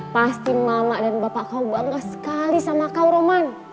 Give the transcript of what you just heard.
pasti mama dan bapak kau bangga sekali sama kau roman